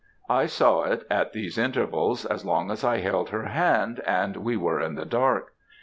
I saw it, at these intervals, as long as I held her hand and we were in the dark.